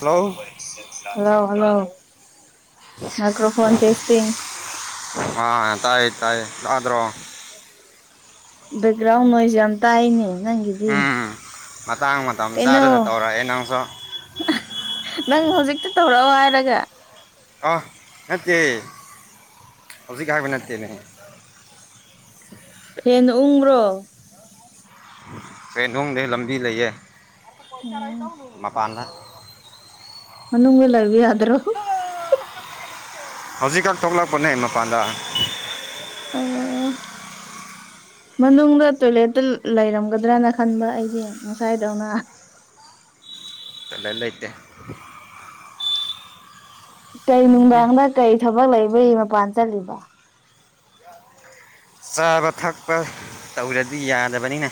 hello hello hello microphone testing ꯑ ꯇꯥꯏ ꯇꯥꯏ ꯇꯗꯔꯣ ꯕꯦꯛꯒ꯭ꯔꯥꯎꯟ ꯅꯣꯏꯁ ꯌꯥꯝ ꯇꯥꯏꯅꯦ ꯅꯪꯒꯤ ꯎꯝ ꯃꯇꯥꯡ ꯃꯇꯝ ꯆꯥꯗꯅ ꯇꯧꯔꯛꯑꯦ ꯅꯪꯁꯨ ꯅꯪ ꯍꯧꯖꯤꯛꯇ ꯇꯧꯔꯛꯑꯣ ꯍꯥꯏꯔꯒ ꯑ ꯅꯠꯇꯦ ꯍꯧꯖꯤꯛ ꯍꯥꯏꯕ ꯅꯠꯇꯅꯦ ꯐꯦꯟ ꯎꯡꯕꯔꯣ ꯇ꯭ꯔꯦꯟꯗꯣꯡꯗꯦ ꯂꯝꯕꯤ ꯂꯩꯌꯦ ꯎꯝ ꯃꯄꯥꯟꯗ [unintelligible] ꯍꯧꯖꯤꯛ ꯈꯛ ꯊꯣꯛꯂꯛꯄꯅꯦ ꯃꯄꯥꯟꯗ ꯑꯣ ꯃꯅꯨꯡꯗ ꯇꯣꯏꯂꯦꯠꯇ ꯂꯩꯔꯝꯒꯗ꯭ꯔꯅ ꯈꯟꯕ ꯑꯩꯗꯤ ꯉꯁꯥꯏꯗꯧꯅ ꯂꯩꯇꯦ ꯀꯩ ꯅꯨꯡꯗꯥꯡꯗ ꯀꯩ ꯊꯕꯛ ꯂꯩꯕꯒꯤ ꯃꯄꯥꯟ ꯆꯠꯂꯤꯕ ꯆꯥꯕ ꯊꯛꯄ ꯇꯧꯔꯗꯤ ꯌꯥꯗꯕꯅꯤꯅ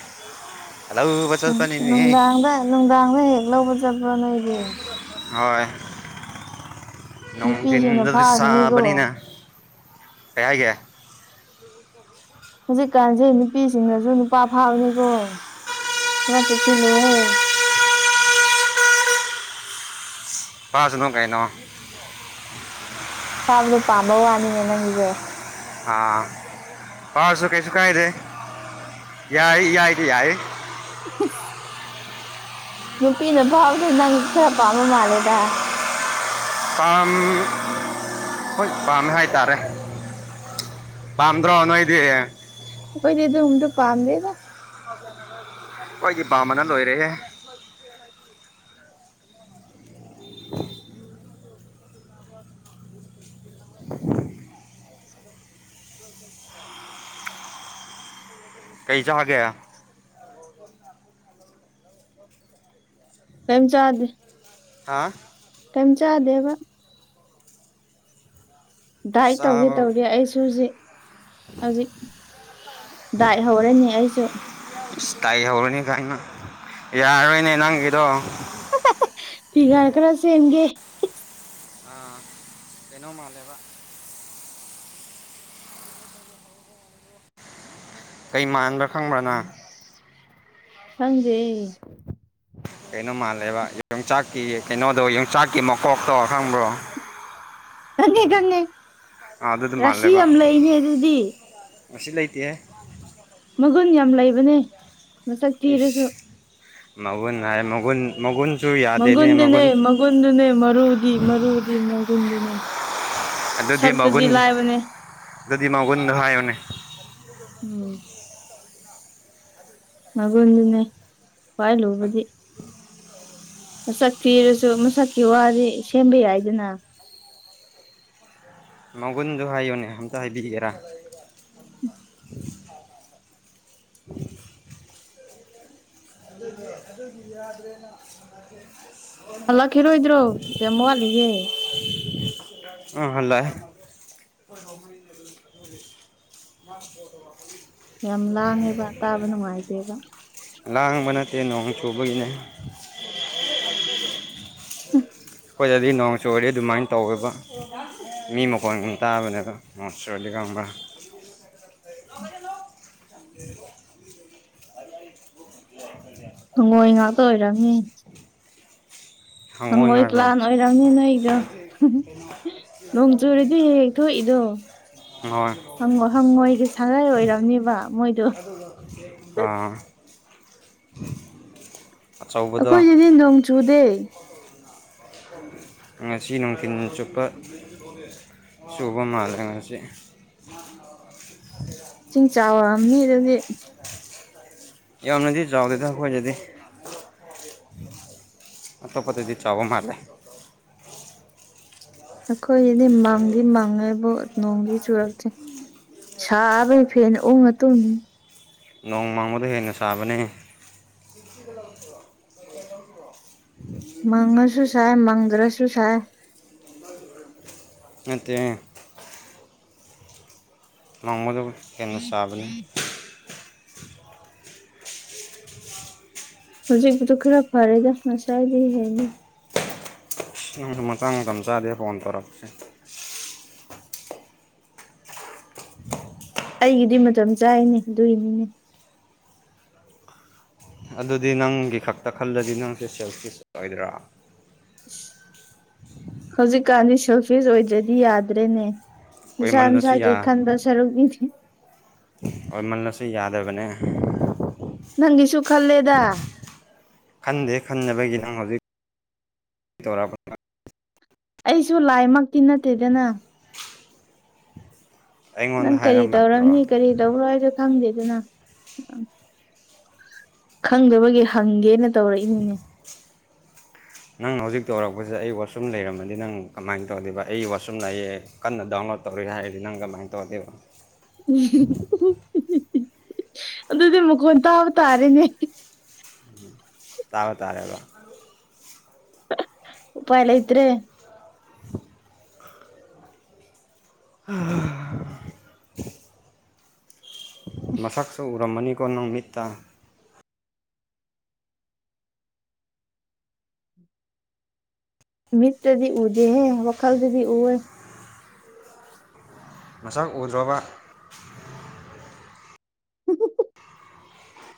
ꯂꯧꯕ ꯆꯠꯄꯅꯤꯅꯦꯍꯦ ꯅꯨꯡꯗꯥꯡꯗ ꯅꯨꯡꯗꯥꯡꯗ ꯍꯦꯛ ꯂꯧꯕ ꯆꯠꯕ꯭ꯔꯥ ꯅꯣꯏꯗꯤ ꯍꯣꯏ ꯅꯨꯄꯤꯁꯤꯡꯅ ꯅꯣꯡꯊꯤꯟꯗꯤ ꯐꯥꯈꯤꯅꯤꯀꯣ ꯁꯥꯥꯕꯅꯤꯅ ꯀꯩ ꯍꯥꯏꯒꯦ [inaudible] ꯍꯧꯖꯤꯛꯀꯥꯟꯁꯦ ꯅꯨꯄꯤꯁꯤꯡꯅꯁꯨ ꯅꯨꯄꯥ ꯐꯥꯕꯅꯤꯀꯣ ꯈꯔ ꯆꯦꯛꯁꯤꯜꯂꯨꯍꯦ ꯐꯥꯁꯥꯅꯨ ꯀꯩꯅꯣ ꯐꯥꯕꯥꯗꯨ ꯄꯥꯝꯕ ꯋꯥꯅꯤꯅꯦ ꯅꯪꯁꯤ ꯍꯥꯥ ꯐꯥꯔꯁꯨ ꯀꯩꯁꯨ ꯀꯥꯏꯗꯦ ꯌꯥꯏ ꯏꯌꯥꯏꯗꯥ ꯌꯥꯏ ꯏꯁ ꯅꯨꯄꯤꯅ ꯐꯥꯕꯗꯣ ꯅꯪ ꯈꯔ ꯄꯥꯝꯝꯕ ꯃꯥꯜꯂꯦꯗ ꯄꯥꯝ ꯍꯣꯏ ꯄꯥꯝꯃꯦ ꯍꯥꯏꯇꯥꯔꯦ ꯄꯥꯝꯗ꯭ꯔꯣ ꯅꯣꯏꯗꯦ ꯈꯣꯏꯗꯤ ꯗꯨꯝꯕꯗꯨ ꯄꯥꯝꯗꯦꯗ [inaudible] ꯑꯣꯏꯗꯤ ꯄꯥꯝꯕꯅ ꯂꯣꯏꯔꯦꯍꯦ [inaudible] ꯀꯩ ꯆꯥꯒꯦ ꯀꯦꯝ ꯆꯗꯦ ꯍꯥ ꯀꯦꯝ ꯆꯥꯗꯦꯕ ꯗꯥꯏꯠ ꯇꯧꯒꯦ ꯆꯥꯕ ꯇꯧꯔꯤ ꯑꯩꯁꯨ ꯍꯧꯖꯤꯛ ꯍꯧꯖꯤꯛ ꯗꯥꯏ ꯍꯧꯔꯅꯤ ꯑꯩꯁꯨ ꯇꯥꯏꯍꯧꯔꯅꯤ ꯀꯥꯏꯅ ꯌꯥꯔꯣꯏꯅꯦ ꯅꯪꯒꯤꯗꯣ ꯐꯤꯒꯥꯏ ꯈꯔ ꯆꯦꯟꯒꯦ ꯑꯥ ꯀꯩꯅꯣ ꯃꯥꯜꯂꯦꯕ ꯀꯩ ꯃꯥꯟꯕ꯭ꯔꯥ ꯈꯪꯕ꯭ꯔꯥ ꯅꯪ ꯍꯪꯗꯦ ꯀꯩꯅꯣ ꯃꯥꯜꯂꯦꯕ ꯌꯣꯡꯆꯥꯛꯀꯤ ꯀꯩꯅꯣꯗꯣ ꯌꯣꯡꯆꯥꯛꯀꯤ ꯃꯀꯣꯛꯇꯣ ꯈꯪꯕ꯭ꯔꯣ ꯈꯪꯉꯦ ꯈꯪꯉꯦ ꯑꯥ ꯑꯗꯨꯗꯣ ꯔꯥꯁꯤ ꯌꯥꯝ ꯂꯩꯅꯦ ꯑꯗꯨꯗꯤ ꯔꯥꯁꯤ ꯂꯩꯇꯦ ꯃꯒꯨꯟ ꯌꯥꯝ ꯂꯩꯕꯅꯦ ꯃꯁꯛ ꯏꯁ ꯊꯤꯔꯁꯨ ꯃꯒꯨꯟ ꯍꯥꯏ ꯃꯒꯨꯟ ꯃꯒꯨꯟꯁꯨ ꯌꯥꯗꯦꯅꯦ ꯃꯒꯨꯟꯗꯨꯅꯦ ꯃꯒꯨꯟ ꯃꯒꯨꯟꯗꯨꯅꯦ ꯃꯔꯨꯗꯤ ꯃꯔꯨꯗꯤ ꯃꯒꯨꯟꯗꯨꯅꯦ ꯑꯗꯨꯗꯤ ꯁꯛꯇꯨꯗꯤ ꯃꯥꯒꯨꯟ ꯂꯥꯏꯕꯅꯦ ꯑꯗꯨꯗꯤ ꯃꯥꯒꯨꯟꯗꯣ ꯍꯥꯏꯌꯣꯅꯦ ꯎꯝ ꯃꯒꯨꯟꯗꯨꯅꯦ ꯈꯌꯥꯏ ꯂꯨꯕꯗꯤ ꯃꯁꯛ ꯊꯤꯔꯁꯨ ꯃꯁꯛꯀꯤ ꯋꯥꯗꯤ ꯁꯦꯝꯕ ꯌꯥꯏꯗꯅ ꯃꯒꯨꯟꯗꯨ ꯍꯥꯏꯌꯨꯅꯦ ꯑꯝꯇ ꯍꯥꯏꯕꯤꯒꯦꯔꯥ ꯑꯗꯨꯒꯤ ꯑꯗꯨꯗꯤ ꯌꯥꯗ꯭ꯔꯦꯅ ꯍꯜꯂꯛꯈꯤꯔꯣꯏꯗ꯭ꯔꯣ ꯀꯌꯥꯝ ꯋꯥꯠꯂꯤꯒꯦ [unintelligible] ꯍꯜꯂꯦ [inaudible] [inaudible] ꯌꯥꯝ ꯂꯥꯡꯉꯦꯕ ꯇꯥꯕ ꯅꯨꯡꯉꯥꯏꯇꯦꯕ ꯂꯥꯡꯕ ꯅꯠꯇꯦ ꯅꯣꯡ ꯆꯨꯕꯒꯤꯅꯦ [inaudible] ꯁꯤꯗꯗꯤ ꯅꯣꯡ ꯆꯨꯔꯗꯤ ꯑꯗꯨꯃꯥꯏ ꯇꯧꯋꯦꯕ ꯃꯤ ꯃꯈꯣꯟ ꯇꯥꯕꯅꯦꯗ ꯃꯣꯠ ꯁꯣꯗꯤꯒꯕ꯭ꯔꯥ [unintelligible] ꯌꯥꯝ [inaudible] ꯎ [inaudible] ꯍꯪꯒꯣꯏ ꯉꯥꯛꯇ ꯑꯣꯏꯔꯝꯅꯤ ꯍꯪꯉꯣꯏ ꯀ꯭ꯂꯥꯟ ꯑꯣꯏꯔꯝꯅꯤ ꯅꯣꯏ ꯑꯩꯗꯣ ꯅꯣꯡ ꯆꯨꯨꯔꯗꯤ ꯍꯦꯛ ꯍꯦꯛ ꯊꯣꯛꯏꯗꯣ ꯍꯪꯉꯣꯏ ꯍꯪ ꯍꯪꯉꯣꯏꯒꯤ ꯁꯉꯥꯏ ꯑꯣꯏꯔꯕꯝꯅꯦꯕ ꯃꯣꯏꯗꯣ ꯑꯥ ꯑꯆꯧꯕꯗꯣ ꯑꯩꯈꯣꯏꯒꯤꯗꯤ ꯅꯣꯡ ꯆꯨꯗꯦ ꯉꯁꯤ ꯅꯨꯡꯊꯤꯜ ꯆꯨꯞꯄ ꯆꯨꯕ ꯃꯥꯜꯂꯦ ꯉꯁꯤ [inaudible] ꯆꯤꯡ ꯆꯥꯎꯔꯛꯑꯝꯅꯤ ꯑꯗꯨꯗꯤ ꯌꯥꯝꯅꯗꯤ ꯆꯥꯎꯗꯦꯗ ꯑꯩꯈꯣꯏꯖꯗꯦ ꯑꯇꯣꯞꯄꯠꯇꯗꯤ ꯆꯥꯎꯕ ꯃꯥꯂꯦ ꯑꯩꯈꯣꯏꯒꯤꯗꯤ ꯃꯪꯗꯤ ꯃꯪꯉꯦꯕꯨ ꯅꯣꯡꯗꯤ ꯆꯨꯔꯛꯇꯦ ꯁꯥꯕꯒꯤ ꯐꯦꯟ ꯎꯪꯉ ꯇꯨꯝꯃꯤ ꯅꯣꯡꯃꯥꯡꯃꯗ ꯍꯦꯟꯅ ꯆꯥꯕꯅꯤ ꯆꯁꯤꯒꯂ ꯑꯣꯏꯣ ꯃꯉꯁꯨ ꯁꯥꯏ ꯃꯒ꯭ꯔꯁꯨꯨ ꯁꯥꯏ ꯅ ꯅꯣꯡꯃꯗ ꯍꯦꯟꯅ ꯆꯥꯕꯅꯤ ꯍꯧꯖꯤꯛꯄꯗꯨ ꯈꯔ ꯐꯔꯦꯗ ꯉꯁꯥꯏꯗꯤ ꯍꯦꯅꯤ ꯅꯪꯁꯨ ꯃꯆꯥ ꯃꯇꯝ ꯆꯥꯗꯦ ꯐꯣꯟ ꯇꯧꯔꯛꯄꯁꯦ ꯑꯩꯒꯤꯗꯤ ꯃꯇꯝ ꯆꯥꯏꯅꯦ ꯑꯗꯨꯏꯅꯤꯅꯦ ꯑꯗꯨꯗꯤ ꯅꯪꯒꯤ ꯈꯛꯇ ꯈꯜꯂꯗꯤ ꯅꯪꯁꯦ ꯁꯦꯜꯁꯀꯤ ꯆꯠꯂꯣꯏꯗ꯭ꯔꯥ ꯍꯧꯖꯤꯛꯀꯥꯟꯗꯤ ꯁꯦꯜꯐ ꯐꯁ [inaudible] ꯑꯣꯏꯗ꯭ꯔꯗꯤ ꯌꯥꯗ꯭ꯔꯦꯅꯦ ꯃꯁꯥ ꯑꯣꯏꯃꯜꯂꯁꯨ ꯃꯁꯥꯒꯤ ꯌꯥ ꯈꯟꯕ ꯁꯔꯨꯛꯅꯤ ꯑꯣꯏꯃꯜꯂꯁꯨ ꯌꯥꯗꯕꯅꯦ ꯅꯪꯒꯤꯁꯨ ꯈꯜꯂꯦꯗ ꯈꯟꯗꯦ ꯈꯟꯅꯕꯒꯤ ꯅꯪ ꯍꯧꯖꯤꯛ ꯇꯧꯛꯑꯄ ꯑꯩꯁꯨ ꯂꯥꯏꯃꯛꯇꯤ ꯅꯠꯇꯦꯗꯅ ꯅꯪ ꯑꯩꯉꯣꯟꯗ ꯀꯔꯤ ꯍꯥꯏꯔꯝ ꯌꯥꯗ꯭ꯔꯣ ꯇꯧꯔꯝꯅꯤ ꯀꯔꯤ ꯇꯧꯕꯔꯣ ꯍꯥꯏꯖꯨ ꯈꯪꯗꯦꯗꯅ ꯈꯪꯗꯕꯒꯤ ꯍꯪꯒꯦꯅ ꯇꯧꯔꯛꯏꯅꯤꯅꯦ ꯅꯪ ꯍꯧꯖꯤꯛ ꯇꯧꯔꯛꯄꯁꯗ ꯑꯩ ꯋꯥꯁꯔꯨꯝ ꯂꯩꯔꯝꯃꯗꯤ ꯅꯪ ꯀꯃꯥꯏꯅ ꯇꯧꯗꯦꯕ ꯑꯩ ꯋꯥꯁꯔꯨꯝ ꯂꯥꯛꯑꯦ ꯀꯟꯅ ꯗꯥꯎꯟꯂꯣꯗ ꯇꯧꯔꯤ ꯍꯥꯏꯔꯗꯤ ꯅꯪ ꯀꯃꯥꯏꯅ ꯇꯧꯗꯦꯕ ꯑꯗꯨꯗꯤ ꯃꯈꯣꯟ ꯇꯥꯕ ꯇꯥꯔꯦꯅꯦ ꯇꯥꯕ ꯇꯥꯔꯦꯕ ꯎꯄꯥꯏꯂ ꯏꯇ꯭ꯔꯦ [unintelligible] ꯎꯝ ꯃꯁꯛꯁꯨ ꯎꯔꯝꯃꯅꯤꯀꯣ ꯅꯪꯃꯤꯠꯇ ꯃꯤꯠꯇꯗꯤ ꯎꯗꯦꯍꯦ ꯋꯥꯈꯜꯗꯗꯤ ꯎꯋꯦ ꯃꯁꯛ ꯎꯗ꯭ꯔꯕ ꯎ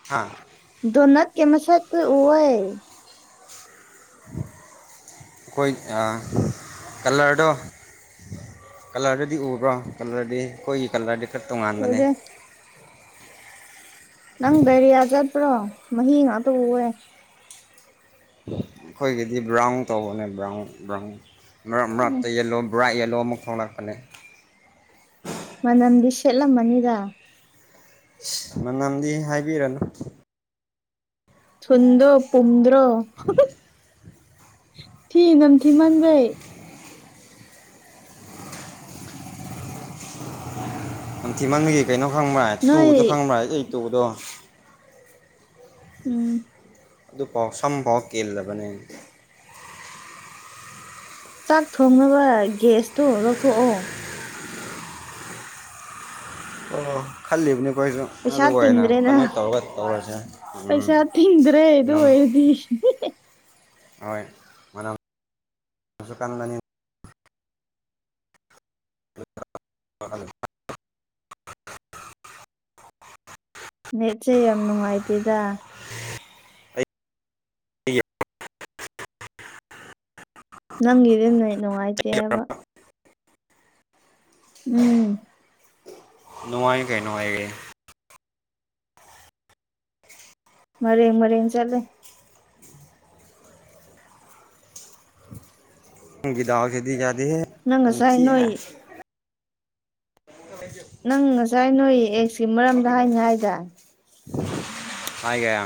ꯑꯥ ꯗꯣ ꯅꯠ ꯀꯃꯁ ꯑꯣꯌꯦ ꯑꯩꯈꯣꯏ ꯀꯂꯔꯗꯣ ꯀꯂꯔꯗꯨꯗꯤ ꯎꯕ꯭ꯔꯣ ꯀꯂꯔꯗꯤ ꯑꯩꯈꯣꯏꯒꯤ ꯀꯂꯔꯗꯤ ꯈꯔ ꯇꯣꯉꯥꯟꯕꯅꯤ ꯎꯗꯦ ꯅꯪ ꯗꯥꯏꯔꯤꯌꯥ ꯆꯠꯄ꯭ꯔꯣ ꯃꯍꯤ ꯉꯥꯛꯇ ꯎꯑꯦ ꯑꯩꯈꯣꯏꯒꯤꯗꯤ ꯕ꯭ꯔꯥꯎꯟ ꯇꯧꯕꯅꯦ ꯕ꯭ꯔꯥꯎꯟ ꯕ꯭ꯔꯥꯎꯟ ꯃꯔꯛ ꯎꯝ ꯃꯔꯛꯇ ꯌꯦꯜꯂꯣ ꯕꯣꯔꯥ ꯌꯦꯜꯂꯣ ꯑꯃꯨꯛ ꯊꯣꯛꯪꯂꯛꯄꯅꯦ ꯃꯅꯝꯗꯤ ꯁꯦꯠꯂꯝꯃꯅꯤꯗ ꯃꯅꯝꯗꯤ ꯍꯥꯏꯕꯤꯔꯅꯨ ꯊꯨꯟꯗꯣ ꯄꯨꯝꯗ꯭ꯔꯣ ꯊꯤ ꯅꯝꯊꯤ ꯃꯟꯕꯩ ꯅꯤꯡꯊꯤꯃꯟꯒꯤ ꯀꯩꯅꯣ ꯈꯪꯕ꯭ꯔꯥ ꯇꯨꯗ ꯅꯣꯏ ꯈꯪꯕ꯭ꯔꯥꯏ ꯑꯩ ꯇꯨꯗꯣ ꯎꯝ ꯑꯗꯨꯐꯥꯎ ꯁꯝꯐꯥꯎ ꯀꯦꯜꯂꯕꯅꯦ ꯆꯥꯛ ꯊꯣꯡꯅꯕ ꯒ꯭ꯁꯇꯣ ꯂꯧꯊꯣꯛꯑꯣ ꯈꯜꯗꯕ ꯀꯣꯏꯁꯨ ꯄꯩꯁꯥ ꯇꯤꯡꯗ꯭ꯔꯦꯅ ꯎꯝ ꯄꯩꯁꯥ ꯇꯤꯡꯗ꯭ꯔꯦ ꯑꯗꯨ ꯅꯝ ꯑꯣꯏꯔꯗꯤ ꯎ ꯍꯣꯏ ꯃꯁꯨꯨ ꯀꯥꯟꯗꯅꯤ ꯍ ꯅꯦꯠꯁꯦ ꯌꯥꯝ ꯅꯨꯡꯉꯥꯏꯇꯦꯗ ꯑ ꯅꯪꯒꯤꯗꯤ ꯅꯣꯏ ꯅꯨꯡꯉꯥꯏꯇꯦ ꯍꯥꯏꯕ ꯎꯨꯝ ꯅꯨꯡꯉꯥꯏ ꯀꯩꯅꯣ ꯑꯩꯒꯤ ꯃꯔꯦꯡ ꯃꯔꯦꯡ ꯆꯠꯂꯦ ꯒꯤꯗꯥꯎꯁꯤꯗꯤ ꯌꯥꯗꯦ ꯅꯪ ꯉꯁꯥꯏ ꯅꯣꯏ ꯀꯖꯤ ꯅꯪ ꯉꯁꯥꯏ ꯅꯣꯏ ꯑꯦꯛꯁꯤ ꯃꯔꯝꯗ ꯍꯥꯏꯅꯤ ꯍꯥꯏꯗꯥꯏ ꯍꯥꯏꯒꯦ ꯌꯥ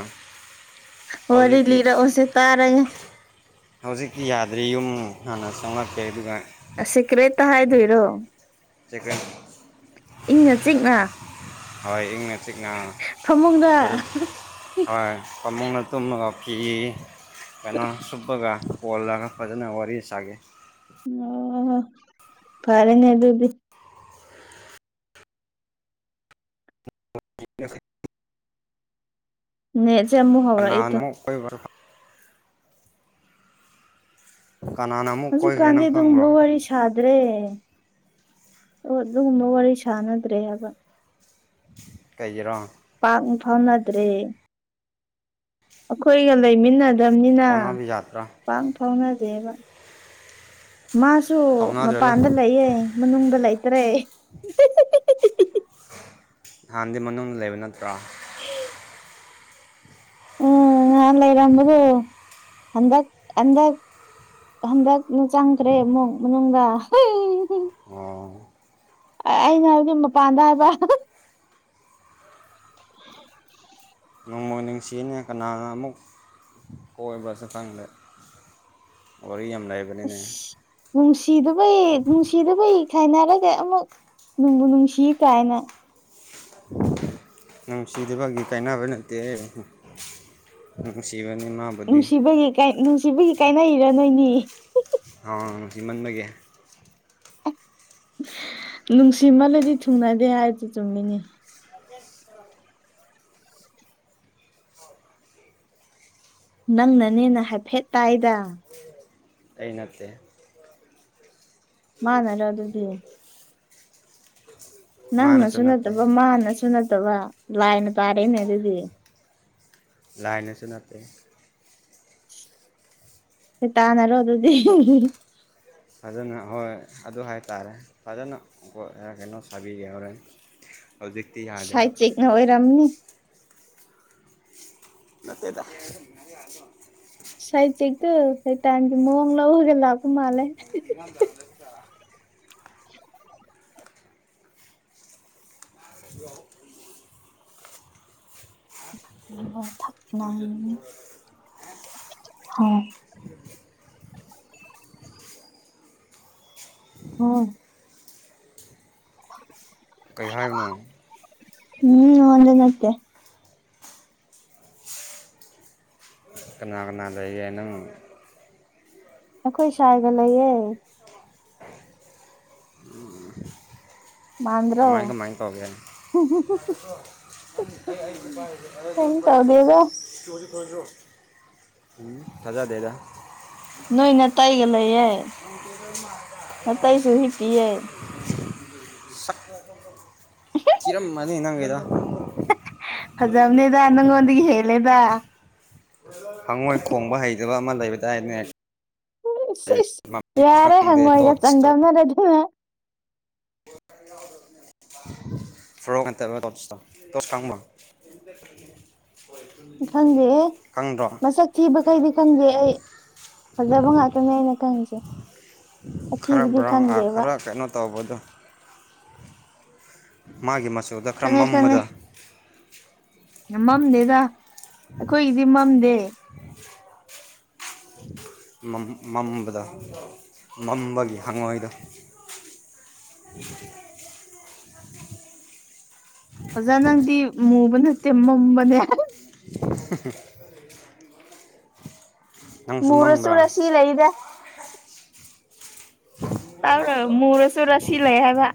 ꯋꯥꯔꯤ ꯂꯤꯔꯛꯑꯣꯁꯦ ꯇꯥꯔꯒꯦ ꯍꯧꯖꯤꯛꯤ ꯌꯥꯗ꯭ꯔꯤ ꯌꯨꯝ ꯍꯥꯟꯅ ꯆꯪꯂꯛꯀꯦ ꯑꯗꯨꯒ ꯁꯤꯀ꯭ꯔꯦ ꯇ ꯍꯥꯏꯗ ꯏꯔꯣ ꯆꯀꯟ ꯏꯪꯅ ꯆꯤꯛꯅ ꯍꯣꯏ ꯃꯤꯅꯤꯠ ꯐꯃꯨꯡꯗ ꯍꯣꯏ ꯄꯃꯨꯡꯅ ꯇꯨꯝꯃꯒ ꯐꯤ ꯀꯩꯅꯣ ꯁꯨꯞꯄꯒ ꯀꯣꯜꯂꯒ ꯐꯖꯅ ꯋꯥꯔꯤ ꯁꯥꯒꯦ ꯑꯣ ꯐꯔꯅꯦ ꯑꯗꯨꯗꯨꯕꯤ ꯌꯦ [inaudible] ꯅꯦꯠꯁꯦ ꯃꯨ ꯍꯧꯔꯣ ꯑꯩꯇꯣ ꯀꯅꯥꯅ ꯑꯃꯨꯛ ꯀꯣꯏꯕ ꯀꯅꯥꯅ ꯑꯃꯨꯛ ꯀꯣꯏꯈ꯭ꯔꯦ ꯍꯧꯖꯤꯛꯀꯥꯟꯗꯤ ꯅꯪ ꯈꯪꯕ꯭ꯔꯣ ꯑꯗꯨꯒꯨꯝꯕ ꯋꯥꯔꯤ ꯁꯥꯗ꯭ꯔꯦ ꯑꯗꯨꯒꯨꯝꯕ ꯋꯥꯔꯤ ꯁꯥꯟꯅꯗ꯭ꯔꯦ ꯍꯥꯏꯕ-' ꯀꯩꯔꯣ ꯄꯥꯛꯅ ꯐꯥꯎꯅꯗ꯭ꯔꯦ ꯑꯩꯈꯣꯏꯒ ꯂꯩꯃꯤꯟꯅ ꯄꯗꯝꯅꯤꯅ ꯐꯥꯎꯅꯕ ꯌꯥꯗ꯭ꯔꯥ ꯄꯥꯛ ꯐꯥꯎꯅꯗꯦꯕ ꯃꯥꯁꯨ ꯐꯥꯎꯅꯗ꯭ꯔꯁꯨ ꯃꯄꯥꯟꯗ ꯂꯩꯌꯦ ꯃꯅꯨꯡꯗ ꯂꯩꯇ꯭ꯔꯦ ꯍ ꯍ ꯍ ꯍꯥꯟꯗꯤ ꯃꯅꯨꯡꯗ ꯂꯩꯕ ꯅꯠꯇ꯭ꯔꯣ ꯍ ꯎꯨꯝ ꯅꯥꯟ ꯂꯩꯔꯝꯕꯗꯨ ꯍꯟꯗꯛ ꯍꯟꯗꯛ ꯍꯟꯗꯛꯅ ꯆꯪꯒ꯭ꯔꯦ ꯑꯃꯨꯛ ꯃꯅꯨꯡꯗ ꯑꯣ ꯑꯩꯅ ꯍꯥꯏꯗꯤ ꯃꯄꯥꯟꯗ ꯍꯥꯏꯕ [inaudible] ꯅ ꯅꯨꯡꯁꯤꯅꯤ ꯀꯅꯥꯅ ꯑꯃꯨꯛ ꯀꯣꯏꯕ꯭ꯔꯁꯨ ꯈꯪꯗꯦ ꯋꯥꯔꯤ ꯌꯥꯝ ꯂꯩ ꯑꯁ ꯅꯨꯡꯁꯤꯗꯨꯕꯩ ꯅꯨꯡꯁꯤꯗꯨꯕꯩ ꯈꯥꯏꯅꯔꯒ ꯑꯃꯨꯛ ꯅꯨꯡꯕꯨ ꯅꯨꯡꯁꯤ ꯀꯥꯏꯅ [inaudible] ꯅꯨꯡꯁꯤꯗꯕꯒꯤ ꯀꯥꯏꯅꯕ ꯅꯠꯇꯦ ꯅꯨꯡꯁꯤꯕꯅꯤ ꯃꯥ ꯅꯨꯡꯁꯤꯕꯒꯤ ꯅꯨꯡꯁꯤꯕꯒꯤ ꯀꯥꯏꯅꯩꯔꯣ ꯅꯣꯏꯅꯤ ꯑ ꯅꯨꯡꯁꯤꯃꯟꯕꯒꯤ ꯅꯨꯡꯁꯤꯃꯜꯂꯗꯤ ꯊꯨꯡꯅꯗꯦ ꯍꯥꯏꯁꯨ ꯆꯨꯝꯃꯤꯅꯦ ꯅꯪꯅꯅꯤꯅ ꯍꯥꯏꯐꯦꯠ ꯇꯥꯏꯗ ꯑꯩ ꯅꯠꯇꯦ ꯃꯥꯅꯂꯣ ꯑꯗꯨꯗꯤ ꯃꯥꯅꯁꯨ ꯅꯪꯅꯁꯨ ꯅꯠꯇꯦ ꯅꯠꯇꯕ ꯃꯥꯅꯁꯨ ꯅꯠꯇꯕ ꯂꯥꯏꯅ ꯇꯥꯔꯦꯅꯦ ꯑꯗꯨꯗꯤ ꯂꯥꯏꯅꯁꯨ ꯅꯠꯇꯦ ꯇꯥꯅꯔꯣ ꯑꯗꯨꯗꯤ ꯍ ꯍ ꯐꯖꯅ ꯍꯣꯏ ꯑꯗꯨ ꯍꯥꯏꯇꯥꯔꯦ ꯐꯖꯅ ꯍꯦ ꯀꯩꯅꯣ ꯆꯕꯤ ꯌꯥꯦꯍꯔꯦꯟ ꯁꯥꯏ ꯆꯅ ꯑꯣꯏꯔꯝꯅꯤ ꯅꯠꯇꯦꯗ ꯁꯥꯏꯠ ꯏꯛꯇ ꯁꯩ ꯇ ꯃꯪ ꯂ ꯍꯒꯦꯂꯄ ꯃꯥꯂꯦ ꯏꯃ ꯔꯗ ꯆ [unintelligible] ꯑꯗꯨ ꯊ ꯍ ꯍꯝ ꯊꯥꯑ ꯀꯩ ꯍꯥꯏꯕꯅꯣ ꯎꯨꯝ ꯑꯗꯣ ꯅꯠꯇꯦ ꯀꯅꯥ ꯀꯅꯥ ꯂꯩꯌꯦ ꯅꯪ ꯑꯈꯣꯏ ꯁꯥꯏꯒ ꯂꯩꯌꯦ ꯃꯥꯟꯗ꯭ꯔꯣ ꯀꯃꯥꯏ ꯀꯃꯥꯏ ꯇꯧꯒꯦ ꯥꯏ ꯀꯩꯝ ꯇꯧꯗꯦꯗ [inaudible] ꯎꯨꯝ ꯊꯥꯖꯥꯗꯦꯗ ꯅꯣꯏ ꯅꯇꯩꯒ ꯂꯩꯌꯦ ꯅꯇꯩꯁꯨ ꯍꯤꯞꯄꯤꯌꯦ ꯀꯤꯔꯝꯃꯅꯤ ꯅꯪꯒꯦꯗ ꯐꯖꯕꯅꯦꯗ ꯅꯪꯉꯣꯟꯗꯒꯤ ꯍꯦꯜꯂꯦꯗ ꯍꯉꯣꯏ ꯈꯣꯡꯕ ꯍꯩꯇꯕ ꯑꯃ ꯂꯩꯕꯗꯥꯏꯅꯦ ꯎꯁ ꯃꯃꯤꯡ ꯌꯥꯔꯦ ꯈꯪꯗꯦ ꯍꯪꯉꯣꯏꯒ ꯇꯣꯠꯁꯇꯣ ꯆꯪꯗꯝꯅꯔ ꯑꯗꯨꯅ [unintelligible] ꯐ꯭ꯔꯣꯛ ꯑꯦꯟꯇ ꯗꯁꯇ ꯗꯁꯇꯥꯒ ꯑꯃ ꯈꯪꯗꯦ ꯃꯁꯛ ꯊꯤꯕꯈꯩꯗꯤ ꯈꯪꯗꯦ ꯑꯩ ꯐꯖꯕ ꯉꯥꯛꯇꯅꯦ ꯑꯩꯅ ꯈꯪꯁꯦ ꯈꯔ ꯑꯊꯤꯕꯗꯤ ꯕ꯭ꯔꯥꯎꯟ ꯈꯪꯗꯦꯕ ꯈꯔ ꯀꯩꯅꯣ ꯇꯧꯕꯗꯣ ꯃꯥꯒꯤ ꯃꯆꯨꯗ ꯈꯔ ꯈꯪꯉꯦ ꯈꯪꯉꯦ ꯃꯝꯕꯗ ꯃꯝꯗꯦꯗ ꯑꯩꯈꯣꯏꯒꯤꯗꯤ ꯃꯝꯗꯦ [unintelligible] ꯃꯝꯕꯗ ꯃꯝꯕꯒꯤ ꯍꯪꯉꯣꯏꯗ ꯎꯝ ꯑꯣꯖꯥ ꯅꯪꯗꯤ ꯃꯨꯕ ꯅꯠꯇꯦ ꯃꯝꯕꯅꯦ ꯎ [unintelligible] ꯃꯔꯁꯨ ꯃꯝꯕ꯭ꯔꯥ ꯔꯁꯤ ꯂꯩꯗꯦ ꯇ꯭ꯔꯣ ꯃꯔꯁꯨ ꯔꯁꯤ ꯂꯩꯕ